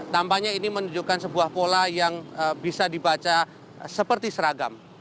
tampaknya ini menunjukkan sebuah pola yang bisa dibaca seperti seragam